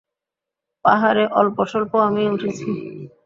পাহাড়ে অল্পস্বল্প আমিও উঠেছি।